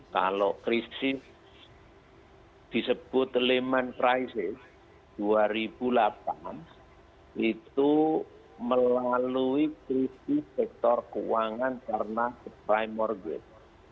kalau krisis disebut leemon crisis dua ribu delapan itu melalui krisis sektor keuangan karena primorgaid